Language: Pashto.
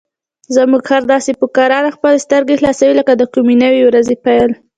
زموږ خر داسې په کراره خپلې سترګې خلاصوي لکه د کومې نوې ورځې پیل.